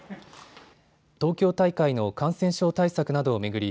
東京大会の感染症対策などを巡り